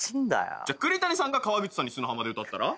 じゃあ栗谷さんが川口さんに砂浜で歌ったら？